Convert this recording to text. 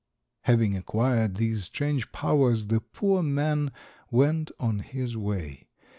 Having acquired these strange powers, the poor man went on his way.